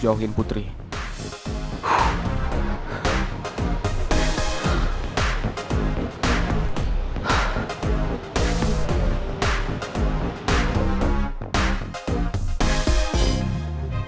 saya akan mencari tempat untuk menjelaskan